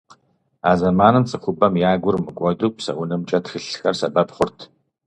А зэманым цӏыхубэм я гур мыкӏуэду псэунымкӏэ тхылъхэр сэбэп хъурт.